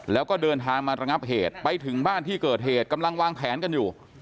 แล้วก็เดินทางมาระงับเหตุไปถึงบ้านที่เกิดเหตุกำลังวางแผนกันอยู่